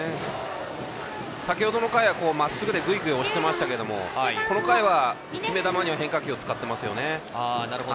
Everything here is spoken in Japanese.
先ほどの回は、まっすぐでぐいぐい押してましたがこの回は決め球には変化球を使っていますね。